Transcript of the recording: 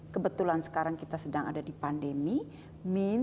kebetulan sekarang kita sedang ada di pandemi